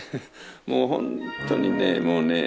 もうほんとにねもうねえ